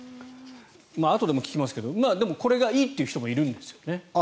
あとでも聞きますがこれがいいという人もいるんですよね。